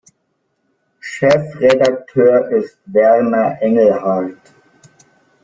Chefredakteur ist Werner Engelhard.